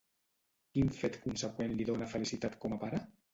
Quin fet conseqüent li dona felicitat com a pare?